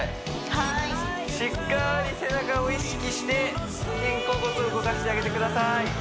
はいしっかり背中を意識して肩甲骨を動かしてあげてください